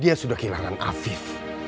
dia sudah kehilangan afif